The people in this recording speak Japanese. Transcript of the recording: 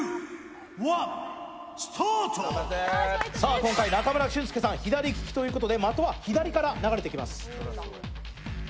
今回中村俊輔さん左利きということで的は左から流れてきます。